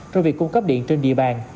trong việc cung cấp điện trên địa bàn